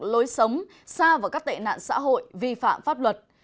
lối sống xa vào các tệ nạn xã hội vi phạm pháp luật